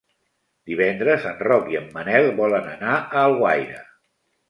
Divendres en Roc i en Manel volen anar a Alguaire.